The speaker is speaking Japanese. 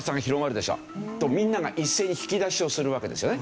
するとみんなが一斉に引き出しをするわけですよね。